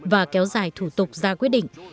và kéo dài thủ tục ra quyết định